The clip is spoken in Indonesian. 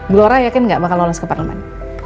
glora yakin nggak bakal lolos ke parlemen